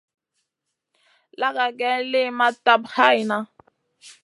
Laga geyn liyn ma tap hayna.